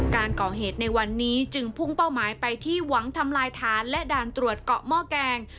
การก่อเหตุในวันนี้จึงพุ่งเป้าหมายไปที่หวังทำลายฐานและด่านตรวจเกาะหม้อแกง